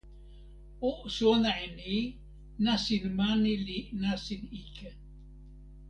o sona e ni: nasin mani li nasin ike.